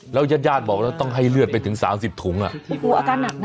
แล้วย่านย่านบอกว่าต้องให้เลือดไปถึงสามสิบถุงอ่ะโอ้โหอาการหนักน่ะ